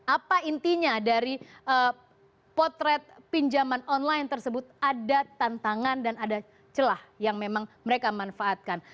apa intinya dari potret pinjaman online tersebut ada tantangan dan ada celah yang memang mereka manfaatkan